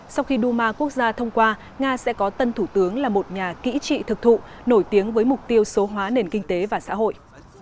sau khi duma quốc gia thông qua nga sẽ có tân thủ tướng là một nhà kỹ trị thực thụ nổi tiếng với mục tiêu số hóa nền kinh tế và xã hội